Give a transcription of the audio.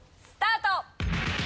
スタート！